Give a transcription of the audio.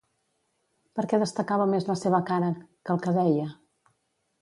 Per què destacava més la seva cara que el que deia?